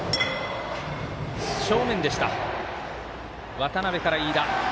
渡邊から飯田。